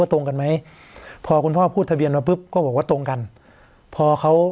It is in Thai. ตรงกันไหมพอคุณพ่อพูดทะเบียนมาปุ๊บก็บอกว่าตรงกันพอเขา